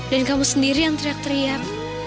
dan kamu sendiri yang teriak teriak